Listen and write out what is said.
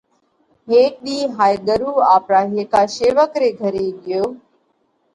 هيڪ ۮِي هائي ڳرُو آپرا هيڪا شيوَڪ ري گھري ڳيو۔